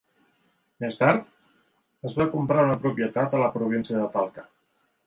Més tard, es va comprar una propietat a la província de Talca.